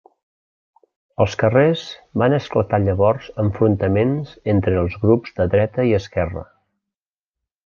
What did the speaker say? Als carrers van esclatar llavors enfrontaments entre els grups de dreta i esquerra.